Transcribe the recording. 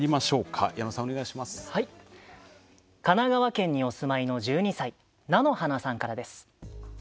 神奈川県にお住まいの１２歳、菜の花さんからです。